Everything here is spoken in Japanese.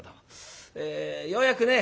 ようやくね